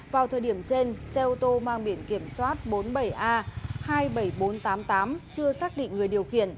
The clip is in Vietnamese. vào thời điểm trên xe ô tô mang biển kiểm soát bốn mươi bảy a hai mươi bảy nghìn bốn trăm tám mươi tám chưa xác định người điều khiển